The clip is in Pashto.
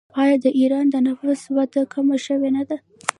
آیا د ایران د نفوس وده کمه شوې نه ده؟